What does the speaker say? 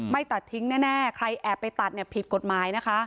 ตัดทิ้งแน่ใครแอบไปตัดเนี่ยผิดกฎหมายนะคะ